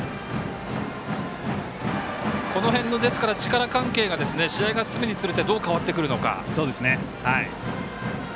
この辺の力関係が試合が進むにつれてどう変わってくるのか。